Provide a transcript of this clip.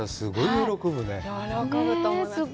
喜ぶと思います。